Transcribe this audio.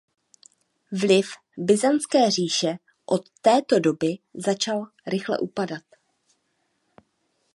Vliv Byzantské říše od této doby začal rychle upadat.